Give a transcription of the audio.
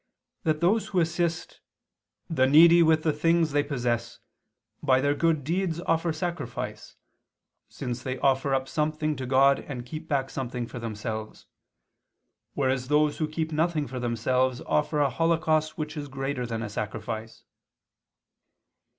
that those who assist "the needy with the things they possess, by their good deeds offer sacrifice, since they offer up something to God and keep back something for themselves; whereas those who keep nothing for themselves offer a holocaust which is greater than a sacrifice."